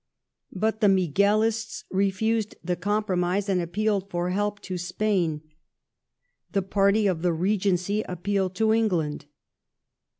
But the Miguelists refused the compromise and appealed for help to Spain ; the party of the Regency appealed to England.